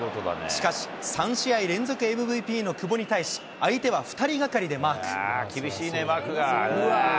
しかし、３試合連続ＭＶＰの久保に対し、相手は２人がかりでマーク。